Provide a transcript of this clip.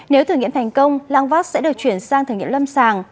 nếu thử nghiệm thành công langvax sẽ được chuyển sang thử nghiệm lâm sàng